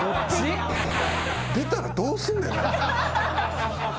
出たらどうすんねん。